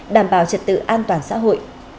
đảm bảo trật tự an toàn xã hội